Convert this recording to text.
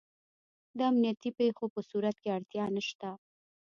د امنیتي پېښو په صورت کې اړتیا نشته.